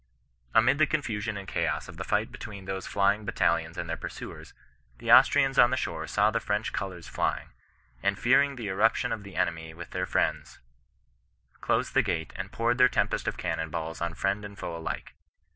^ Amid the confusion and chaos of the fight between these flying battalions and their pursuers, the Austrians on the shore saw the French colours flying, and fearing the irruption of the enemy with their friends, closed the gate and poured their tempest of cannon balls on friend and foe alike.